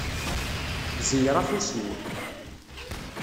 Ẓeyyeṛ afus-iw.